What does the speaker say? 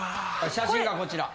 写真がこちら。